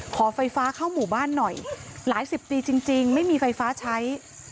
ขอไฟฟ้าเข้าหมู่บ้านหน่อยหลายสิบปีจริงไม่มีไฟฟ้าใช้